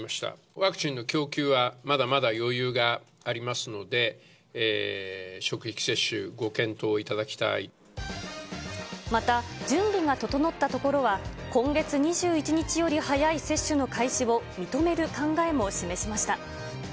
ワクチンの供給はまだまだ余裕がありますので、また準備が整ったところは、今月２１日より早い接種の開始を認める考えも示しました。